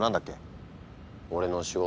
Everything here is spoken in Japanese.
俺の仕事？